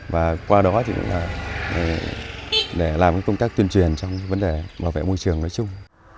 và qua đó thì cũng là để làm công tác tuyên truyền trong vấn đề bảo vệ môi trường nói chung